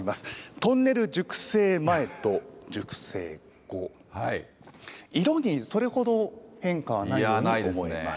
トンネル熟成前と熟成後、色にそれほど変化はないように思います。